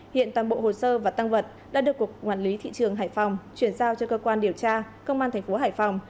hiện toàn bộ hồ sơ và tăng vật đã được cục ngoại lý thị trường hải phòng chuyển giao cho cơ quan điều tra công an tp hải phòng